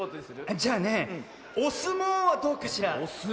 じゃあねおすもうはどうかしら？